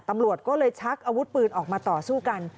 ตำรวจก็เลยชักอาวุธปืนออกมาต่อสู้กัน